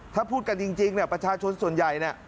ถ้าพูดกันจริงประชาชนส่วนใหญ่